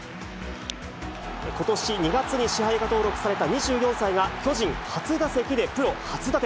ことし２月に支配下登録された２４歳が、巨人初打席でプロ初打点。